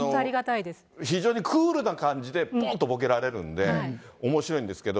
非常にクールな感じで、ぽんとぼけられるんで、おもしろいんですけど。